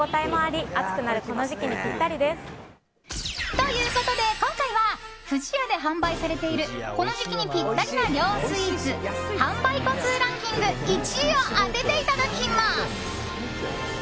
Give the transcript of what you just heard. ということで今回は不二家で販売されているこの時期にぴったりな涼スイーツ販売個数ランキング１位を当てていただきます。